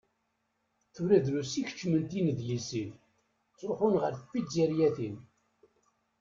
Tura drus i ikeččmen tinedlisin, ttruḥun ɣer tpizziryatin.